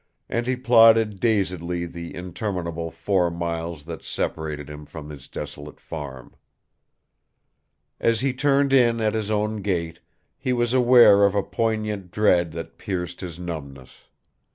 And he plodded dazedly the interminable four miles that separated him from his desolate farm. As he turned in at his own gate, he was aware of a poignant dread that pierced his numbness.